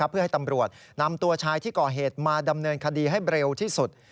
เพื่อให้ตำรวจนำตัวชายที่ก่อเหตุมาดำเนินคดีให้เร็วที่สุด